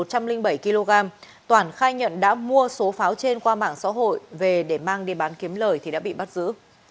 trần đăng toản khai nhận đã mua số pháo trên qua mạng xã hội về để mang đi bán kiếm lời thì đã bị bắt giữ